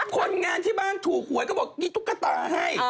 คนงานที่บ้านถูกหวยก็บอกมีตุ๊กตาให้